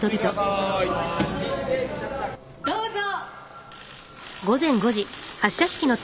どうぞ！